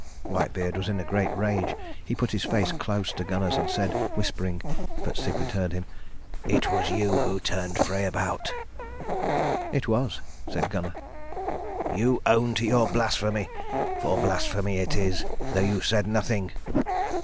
Whitebeard was in a great rage. He put his face close to Gunnar's and said whispering (but Sigrid heard him), "It was you who turned Frey about." "It was," said Gunnar. "You own to your blasphemy. For blasphemy it is, though you said nothing."